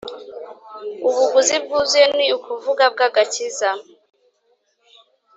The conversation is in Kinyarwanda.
Ubuguzi bwuzuye ni ukuvuga bw'agakiza,